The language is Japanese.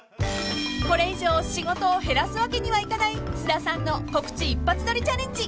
［これ以上仕事を減らすわけにはいかない須田さんの告知一発撮りチャレンジ］